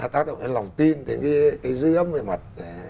tác động lòng tin đến cái dưới ấm về mặt